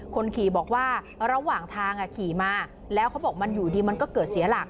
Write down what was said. คนขี่บอกว่าระหว่างทางขี่มาแล้วเขาบอกมันอยู่ดีมันก็เกิดเสียหลัก